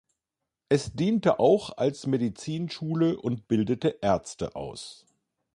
Es diente auch als Medizinschule und bildete Ärzte aus.